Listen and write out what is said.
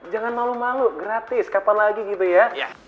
jangan malu malu gratis kapan lagi gitu ya